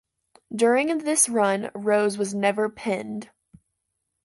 During this run, Rose was never pinned.